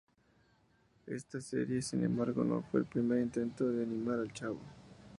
Esta serie, sin embargo, no fue el primer intento de animar al Chavo.